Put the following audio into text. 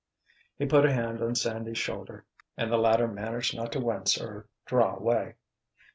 He put a hand on Sandy's shoulder and the latter managed not to wince or draw away.